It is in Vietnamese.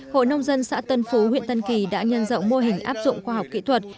hội nông dân xã tân phú huyện tân kỳ đã nhân rộng mô hình áp dụng khoa học kỹ thuật